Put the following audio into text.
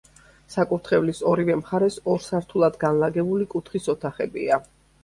საკურთხევლის ორივე მხარეს ორ სართულად განლაგებული კუთხის ოთახებია.